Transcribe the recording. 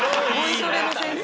ボイトレの先生。